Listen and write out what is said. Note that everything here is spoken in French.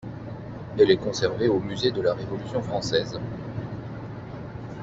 Elle est conservée au musée de la Révolution française.